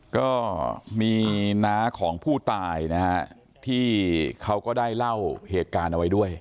ก็มีน้าของผู้ตายนะฮะที่เขาก็ได้เล่าเหตุการณ์เอาไว้ด้วย